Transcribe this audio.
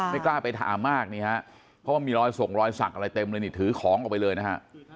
ไม่กล้าไปถามมากนี่ฮะเพราะว่ามีรอยส่งรอยสักอะไรเต็มเลยนี่ถือของออกไปเลยนะฮะ